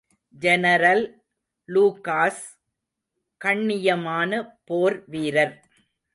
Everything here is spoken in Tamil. ஜெனரல் லூகாஸ் கண்ணியமான போர் வீரர்.